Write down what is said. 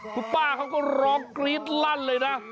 คุณป้าเขาก็ร้องกรี๊ดลั่นเลยนะ